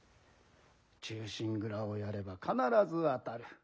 「忠臣蔵」をやれば必ず当たる。